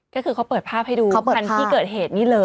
ก็คือเขาเปิดภาพให้ดูคันที่เกิดเหตุนี่เลย